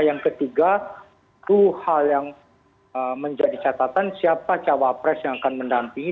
yang ketiga itu hal yang menjadi catatan siapa cawapres yang akan mendampingi